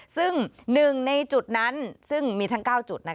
ซึ่ง๑ในจุดนั้นซึ่งมีทั้ง๙จุด